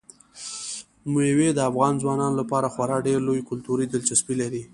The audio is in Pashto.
مېوې د افغان ځوانانو لپاره خورا ډېره لویه کلتوري دلچسپي لري.